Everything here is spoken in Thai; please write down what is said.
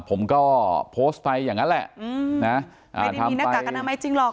ผมก็โพสต์ไปอย่างนั้นแหละไม่ได้มีหน้ากากอนามัยจริงหรอก